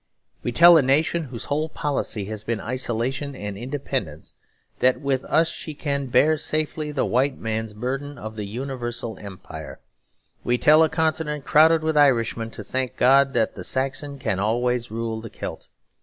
We tell a nation whose whole policy has been isolation and independence that with us she can bear safely the White Man's Burden of universal empire. We tell a continent crowded with Irishmen to thank God that the Saxon can always rule the Celt.